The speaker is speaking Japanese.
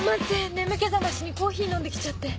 眠気覚ましにコーヒー飲んで来ちゃって。